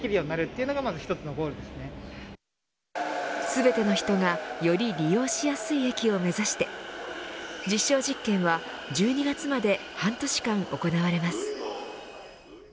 全ての人がより利用しやすい駅を目指して実証実験は１２月まで半年間行われます。